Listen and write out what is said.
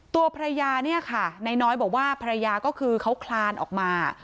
ตัวภรรยาเนี่ยค่ะนายน้อยบอกว่าภรรยาก็คือเขาคลานออกมา